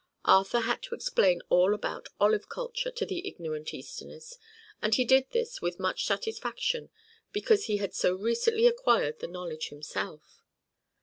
Arthur had to explain all about olive culture to the ignorant Easterners and he did this with much satisfaction because he had so recently acquired the knowledge himself.